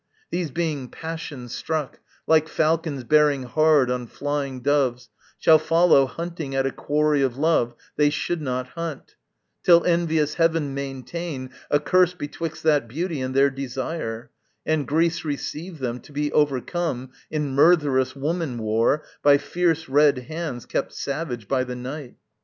These being passion struck, Like falcons bearing hard on flying doves, Shall follow, hunting at a quarry of love They should not hunt; till envious Heaven maintain A curse betwixt that beauty and their desire, And Greece receive them, to be overcome In murtherous woman war, by fierce red hands Kept savage by the night.